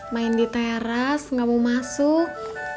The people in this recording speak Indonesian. main di teras nggak mau masuk